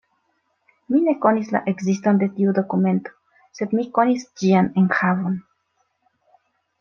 Mi ne konis la ekziston de tiu dokumento, sed mi konis ĝian enhavon.